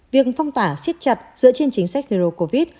việc phong tỏa siết chặt dựa trên chính sách covid một mươi chín